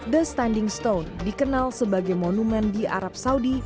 the standing stone dikenal sebagai monumen di arab saudi